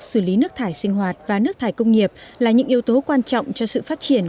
xử lý nước thải sinh hoạt và nước thải công nghiệp là những yếu tố quan trọng cho sự phát triển